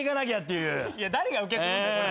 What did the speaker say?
いや誰が受け継ぐんだよ